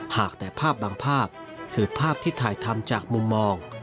หากแต่ภาพบางภาพคือภาพที่ถ่ายทำจากมุมมอง